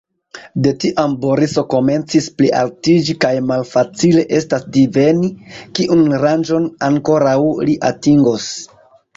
De tiam Boriso komencis plialtiĝi, kaj malfacile estas diveni, kiun rangon ankoraŭ li atingos.